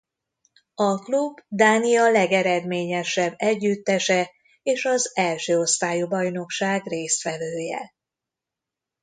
A klub Dánia legeredményesebb együttese és az első osztályú bajnokság résztvevője.